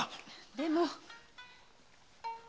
でも。